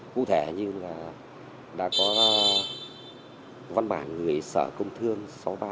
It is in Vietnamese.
cụ thể như là đã có văn bản người sợ công thương